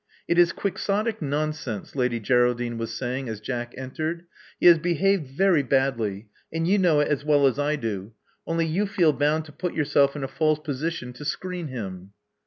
It is quixotic nonsense," Lady Geraldine was say ing as Jack entered. He has behaved very badly; and you know it as well as I do, only you feel bound to put yourself in a false position to screen him."